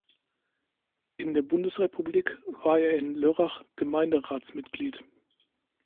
In der Bundesrepublik war er in Lörrach Gemeinderatsmitglied.